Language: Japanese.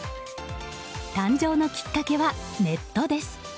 誕生のきっかけはネットです。